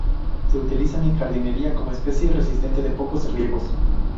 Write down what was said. Se utilizan en jardinería como especie resistente de pocos riegos.